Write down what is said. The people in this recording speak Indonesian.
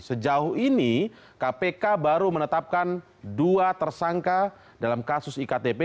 sejauh ini kpk baru menetapkan dua tersangka dalam kasus iktp